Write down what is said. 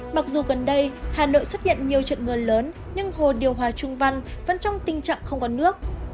mặc dù gần đây hà nội xuất hiện nhiều trận mưa lớn nhưng hồ điều hòa trung văn vẫn trong tình trạng không có nước